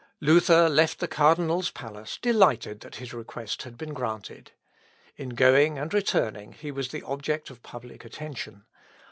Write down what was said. Luther left the cardinal's palace delighted that his request had been granted. In going and returning he was the object of public attention.